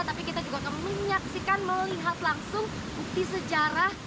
tapi kita juga akan menyaksikan melihat langsung bukti sejarah